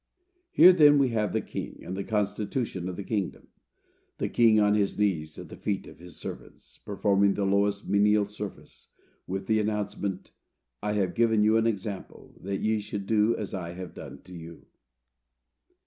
Here, then, we have the king, and the constitution of the kingdom. The king on his knees at the feet of his servants, performing the lowest menial service, with the announcement, "I have given you an example, that ye should do as I have done to you."